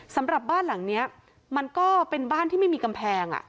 สำหรับบ้านหลังนี้มันก็เป็นบ้านที่ไม่มีกำแพง